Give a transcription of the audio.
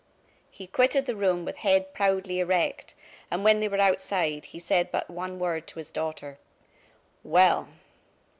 He quitted the room with head proudly erect, and when they were outside, he said but one word to his daughter: "Well!"